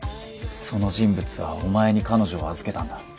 その人物はお前に彼女を預けたんだ。